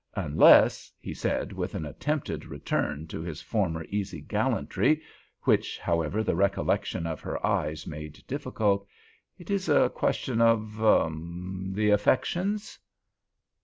Unless," he said, with an attempted return to his former easy gallantry, which, however, the recollection of her eyes made difficult, "it is a question of—er—the affections?"